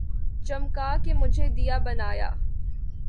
چمکا کے مجھے دیا بنا یا